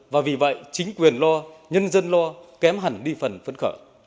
và vì vậy chính quyền lo nhân dân lo kém hẳn đi phần phân khở